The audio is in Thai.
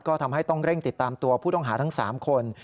ก็ทำให้ต้องเร่งติดตามตัวผู้ต้องหาทั้ง๓คน